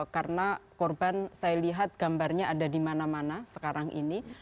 karena korban saya lihat gambarnya ada dimana mana sekarang ini